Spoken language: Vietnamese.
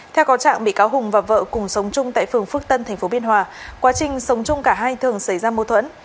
theo có trạng bị cáo hùng và vợ cùng sống chung tại phường phước tân tp biên hòa quá trình sống chung cả hai thường xảy ra mâu thuẫn